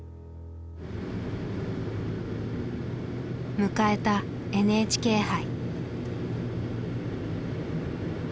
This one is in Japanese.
迎えたＮＨＫ杯。